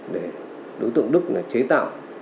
để đối tượng đức chế tạo